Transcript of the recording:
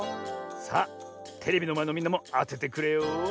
さあテレビのまえのみんなもあててくれよ。